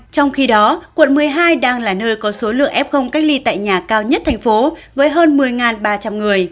trong khi đó quận một mươi hai đang là nơi có số lượng f cách ly tại nhà cao nhất thành phố với hơn một mươi ba trăm linh người